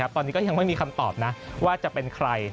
ตอนนี้ก็ยังไม่มีคำตอบนะว่าจะเป็นใคร